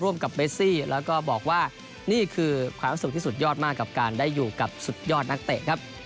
ร่วมกับเบสซี่แล้วก็บอกว่านี่คือความสุขที่สุดยอดมากกับการได้อยู่กับสุดยอดนักเตะครับ